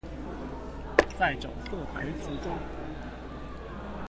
在角色台詞中